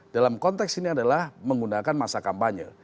dalam konteks ini adalah menggunakan masa kampanye